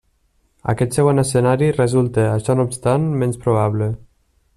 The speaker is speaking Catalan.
Aquest segon escenari resulta, això no obstant, menys probable.